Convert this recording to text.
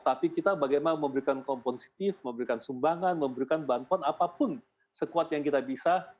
tapi kita bagaimana memberikan kompesitif memberikan sumbangan memberikan bantuan apapun sekuat yang kita bisa